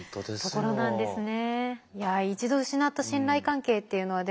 ところなんですね。